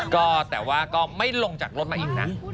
ก็แต่ว่าก็ไม่ลงจากรถมาอีกนะ